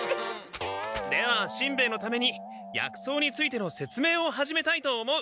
ではしんべヱのために薬草についてのせつめいを始めたいと思う。